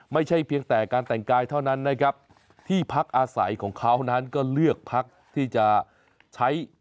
ไม่ใช่เพียงแต่การแต่งกายเท่านั้นนะครับที่พักอาศัยของเขานั้นก็เลือกพักที่จะใช้